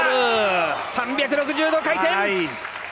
３６０度回転！